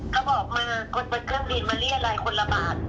เขาบอกมากดบันเครื่องบินมาเรียนไลน์คนละบาท